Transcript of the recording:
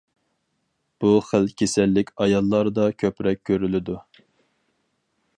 بۇ خىل كېسەللىك ئاياللاردا كۆپرەك كۆرۈلىدۇ.